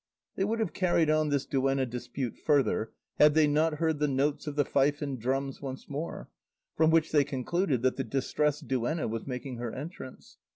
They would have carried on this duenna dispute further had they not heard the notes of the fife and drums once more, from which they concluded that the Distressed Duenna was making her entrance.